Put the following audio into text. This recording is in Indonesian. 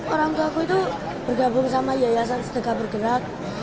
orang tua aku itu bergabung sama yayasan sedekah bergerak